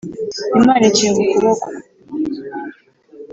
imana ikinga ukuboko